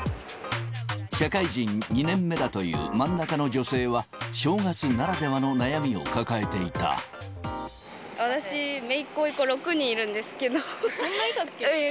社会人２年目だという真ん中の女性は、正月ならではの悩みを抱え私、めいっ子、そんなにいたっけ？